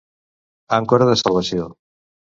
Àncora de salvació.